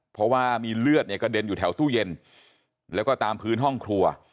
เพราะว่ามีเลือดเนี่ยกระเด็นอยู่แถวตู้เย็นแล้วก็ตามพื้นห้องครัว